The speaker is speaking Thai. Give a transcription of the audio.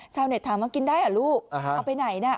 ชาวเน็ตถามว่ากินได้หรือลูกเอาไปไหนน่ะ